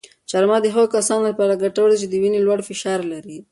چهارمغز د هغو کسانو لپاره ګټور دي چې د وینې لوړ فشار لري.